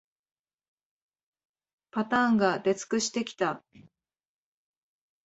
パターンが出尽くしてきた